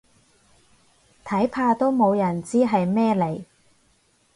睇怕都冇人知係咩嚟